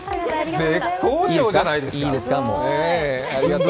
絶好調じゃないですか。